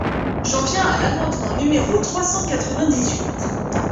J’en viens à l’amendement numéro trois cent quatre-vingt-dix-huit.